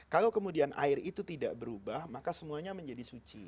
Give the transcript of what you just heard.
kalau kemudian air itu tidak berubah maka semuanya menjadi suci